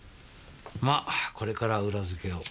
まこれから裏付けを。